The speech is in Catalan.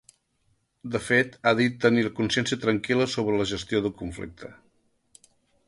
De fet, ha dit tenir la “consciència tranquil·la” sobre la gestió del conflicte.